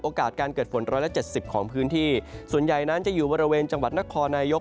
การเกิดฝนร้อยละเจ็ดสิบของพื้นที่ส่วนใหญ่นั้นจะอยู่บริเวณจังหวัดนครนายก